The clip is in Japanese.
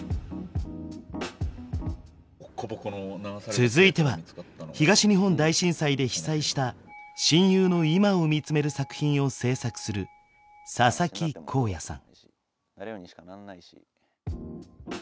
続いては東日本大震災で被災した親友の今を見つめる作品を制作する佐々木航弥さん。